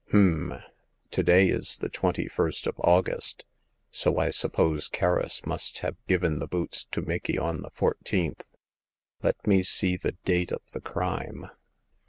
H'm ! To day is the twenty first of August, so I suppose Kerris must have given the boots to Micky on the fourteenth. Let me see the date of the crime.